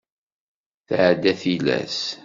Tɛedda tilas.